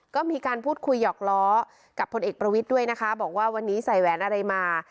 ก็มีการพูดคุยหยอกล้อกับพลเอกประวิทย์ด้วยนะคะบอกว่าวันนี้ใส่แหวนอะไรมา